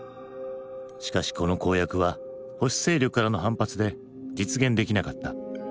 しかしこの公約は保守勢力からの反発で実現できなかった。